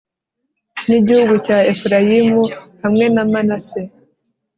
n'igihugu cya efurayimu hamwe na manase